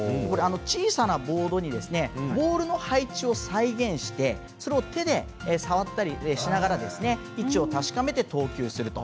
小さなボードにボールの配置を再現してそれを手で触ったりしながら位置を確かめて投球すると。